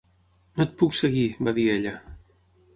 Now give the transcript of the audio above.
No et puc seguir, va dir ella.